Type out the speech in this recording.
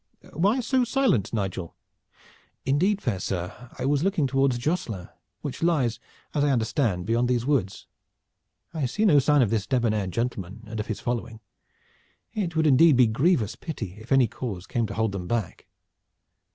Why so silent, Nigel?" "Indeed, fair sir, I was looking toward Josselin, which lies as I understand beyond those woods. I see no sign of this debonair gentleman and of his following. It would be indeed grievous pity if any cause came to hold them back."